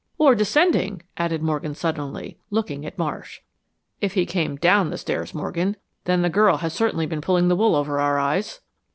"Or descending," added Morgan, suddenly, looking at Marsh. "If he came DOWN the stairs, Morgan, then the girl has certainly been pulling the wool over our eyes."